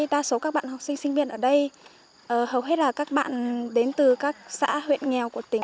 đa số các bạn học sinh sinh viên ở đây hầu hết là các bạn đến từ các xã huyện nghèo của tỉnh